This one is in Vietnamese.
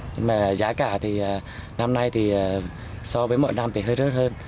nhưng mà giá cả thì năm nay thì so với mọi năm thì hơi rất hơn